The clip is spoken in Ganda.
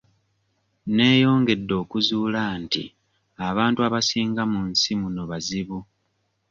Neeyongedde okuzuula nti abantu abasinga mu nsi muno bazibu.